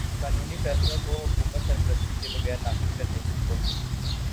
قانونی فیصلوں کو حکومتی سرپرستی کے بغیر نافذ کرنے کی کوشش